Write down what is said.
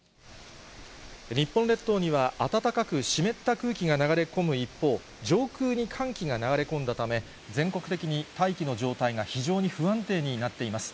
日本列島には、暖かく湿った空気が流れ込む一方、上空に寒気が流れ込んだため、全国的に大気の状態が非常に不安定になっています。